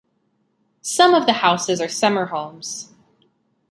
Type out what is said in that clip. Some of the houses are summer homes.